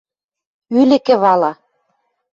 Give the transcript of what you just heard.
Ӱлӹкӹ вала.